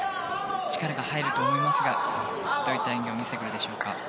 力が入ると思いますがどういった演技を見せてくるでしょうか。